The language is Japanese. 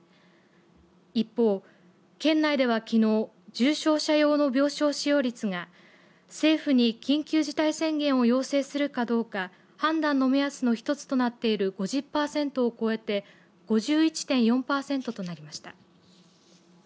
一方県内では、きのう重症者用の病床使用率が政府に緊急事態宣言を要請するかどうか判断の目安の一つとなっている５０パーセントを超えて５１．４パーセントとなりました。